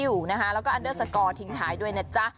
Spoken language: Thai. แล้วก็ทิ้งถ่ายด้วยนะจ๊ะ